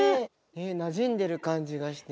なじんでる感じがして。